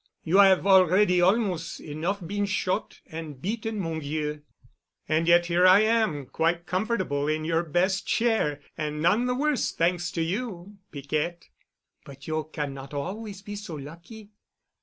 You 'ave already almos' enough been shot and beaten, mon vieux." "And yet here I am quite comfortable in your best chair, and none the worse—thanks to you, Piquette." "But you cannot always be so lucky.